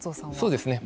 そうですね。